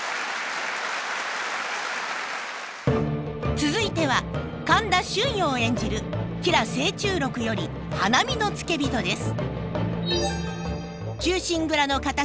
続いては神田春陽演じる「吉良誠忠録より花見の付け人」です。